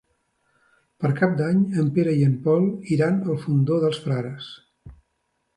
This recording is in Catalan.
Per Cap d'Any en Pere i en Pol iran al Fondó dels Frares.